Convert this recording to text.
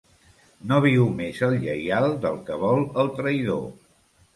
No viu més el lleial del que vol el traïdor.